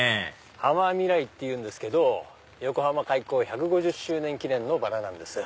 「はまみらい」っていうんですけど横浜開港１５０周年記念のバラなんです。